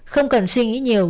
không cần suy nghĩ nhiều